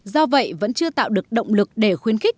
do vậy vẫn chưa tạo được động lực để khuyến khích